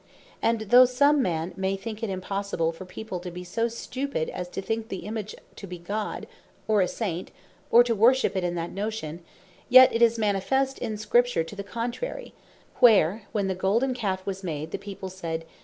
And though some man may think it impossible for people to be so stupid, as to think the Image to be God, or a Saint; or to worship it in that notion; yet it is manifest in Scripture to the contrary; where when the Golden Calfe was made, the people said, (Exod.